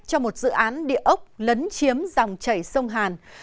cho một dự án địa ốc lấn chiếm dòng chảy sông hàn